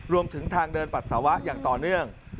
รวมถึงทางเดินปัสสาวะอย่างต่อเนื่อง